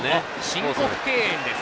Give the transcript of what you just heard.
申告敬遠です。